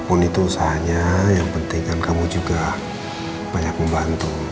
apapun itu usahanya yang penting kan kamu juga banyak membantu